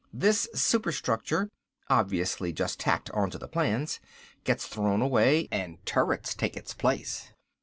This superstructure obviously just tacked onto the plans gets thrown away, and turrets take its place.